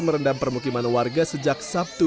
merendam permukiman warga sejak sabtu